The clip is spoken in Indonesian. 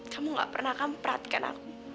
kamu gak pernah akan perhatikan aku